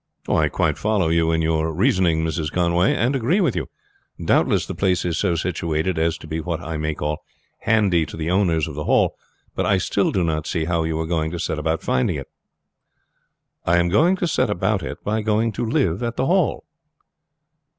"I quite follow you in your reasoning, Mrs. Conway, and agree with you. Doubtless, the place is so situated as to be what I may call handy to the owners of the Hall, but I still do not see how you are going to set about finding it." "I am going to set about it by going to live at the Hall."